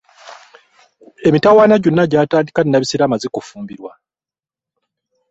Emitawaana gyonna gyatandika Nabisere amaze kufumbirwa.